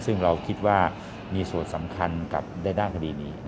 ซึ่งเราคิดว่ามีส่วนสำคัญกับในด้านคดีนี้